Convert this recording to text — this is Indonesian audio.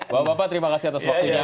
bapak bapak terima kasih atas waktunya